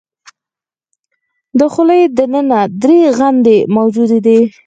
د خولې د ننه درې غدې موجودې دي.